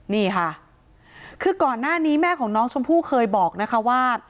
นี่ค่ะคือก่อนหน้านี้แม่ของน้องชมพู่เคยบอกนะคะว่า